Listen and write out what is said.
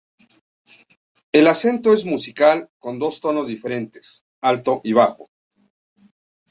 El acento es musical, con dos tonos diferentes: alto y bajo.